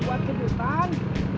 oh buat kejutan